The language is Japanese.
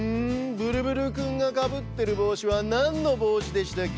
ブルブルくんがかぶってるぼうしはなんのぼうしでしたっけ？